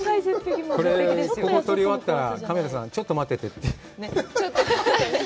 ここ撮り終わったらカメラさん、ちょっと待っててって。